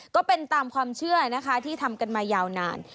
ก็เป็นตามความเชื่อนะคะที่ทำกันมายาวนาน